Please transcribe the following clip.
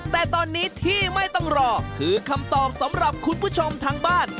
แต่ตอนนี้ที่ไม่ต้องรอคือคำตอบสำหรับคุณผู้ชมทางบ้าน